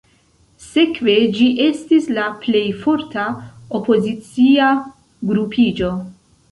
Sekve ĝi estis la plej forta opozicia grupiĝo.